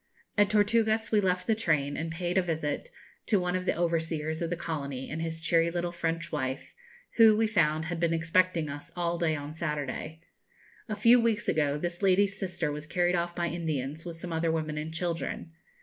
At Tortugas we left the train, and paid a visit to one of the overseers of the colony and his cheery little French wife, who, we found, had been expecting us all day on Saturday. A few weeks ago this lady's sister was carried off by Indians, with some other women and children.